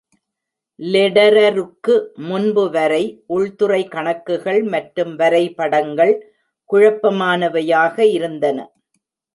லெடரருக்கு முன்பு வரை, உள்துறை கணக்குகள் மற்றும் வரைபடங்கள் குழப்பமானவையாக இருந்தன.